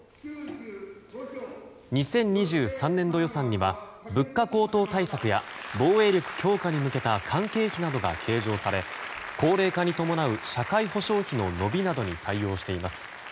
２０２３年度予算には物価高騰対策や防衛力強化に向けた関係費などが計上され高齢化に伴う社会保障費の伸びなどに対応しています。